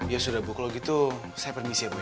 ya sudah bu kalau gitu saya pernisi ya bu